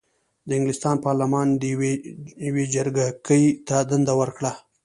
د انګلستان پارلمان یوې جرګه ګۍ ته دنده ورکړه.